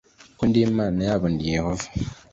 ko ndi imana yabo ndi yehova